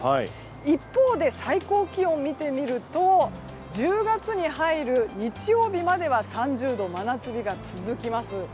一方で最高気温を見てみると１０月に入る日曜日までは３０度、真夏日が続きます。